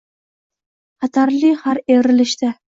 Xatarli har evrilishda